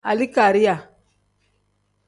Alikariya.